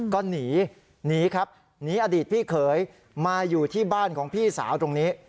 ก็หนีหนีครับหนีอดีตพี่เขยมาอยู่ที่บ้านของพี่สาวตรงนี้